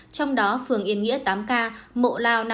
trong đó phường yên nghĩa tám ca mộ lao